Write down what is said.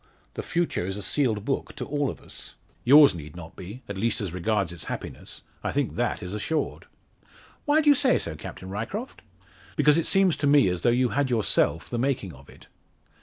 The future is a sealed book to all of us." "Yours need not be at least as regards its happiness. I think that is assured." "Why do you say so, Captain Ryecroft?" "Because it seems to me, as though you had yourself the making of it."